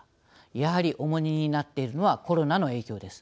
やはり重荷になっているのはコロナの影響です。